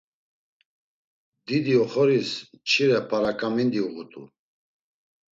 Didi oxoris mçire p̌araǩamindi uğut̆u.